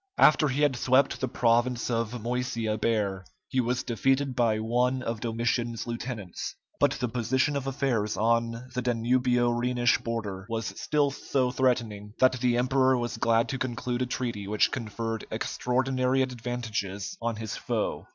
After he had swept the province of Moesia bare, he was defeated by one of Domitian's lieutenants, but the position of affairs on the Danubio Rhenish border was still so threatening, that the emperor was glad to conclude a treaty which conferred extraordinary advantages on his foe.